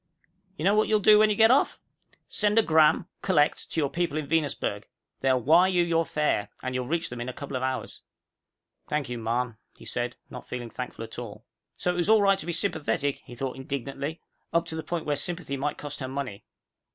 "You know what you'll do when you get off? Send a 'gram, collect, to your people in Venusberg. They'll wire you your fare. And you'll reach them in a couple of hours." "Thank you, ma'am," he said, not feeling thankful at all. So it was all right to be sympathetic, he thought indignantly, up to the point where sympathy might cost her money.